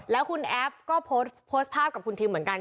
และคุณแอ้ฟก็โปสพากกับคุณทิมเหมือนกัน